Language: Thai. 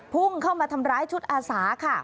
พุ่งเข้ามาทำร้ายชุดอาสาค่ะ